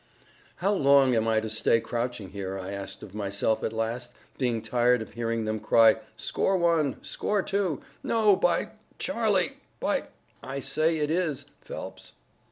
"How long am I to stay crouching here?" I asked of myself at last, being tired of hearing them cry, "Score one," "Score two," "No, by , Charlie!" "By , I say it is, Phelps."